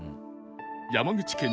「山口県？」